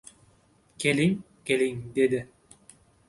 — Keling, keling, — dedi.